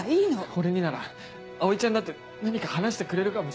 俺になら葵ちゃんだって何か話してくれるかもしれない。